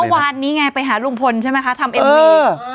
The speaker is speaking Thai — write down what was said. เมื่อวานนี้ไงไปหาลุงพลใช่ไหมคะทำเอ็มวี